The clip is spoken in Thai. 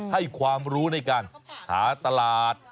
ให้ความรู้ในการหาตลาด